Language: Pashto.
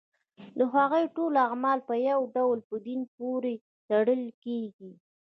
د هغوی ټول اعمال په یو ډول په دین پورې تړل کېږي.